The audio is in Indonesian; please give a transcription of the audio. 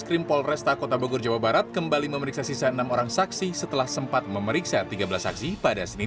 kepolisian juga akan menjemput paksa keluarga rizik jika tidak memenuhi panggilan sebanyak tiga kali